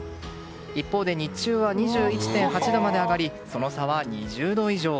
一方で日中は２１．８度まで上がりその差は２０度以上。